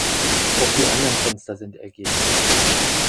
Auch die anderen Fenster sind eckig.